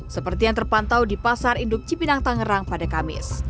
seperti yang terpantau di pasar induk cipinang tangerang pada kamis